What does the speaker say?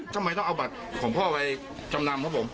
ทำไมต้องเอาบัตรของพ่อไปจำนำครับผม